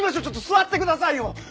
ちょっと座ってくださいよ。